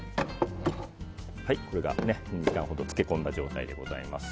これが２時間ほど漬け込んだ状態です。